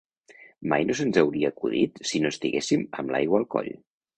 Mai no se'ns hauria acudit si no estiguéssim amb l'aigua al coll.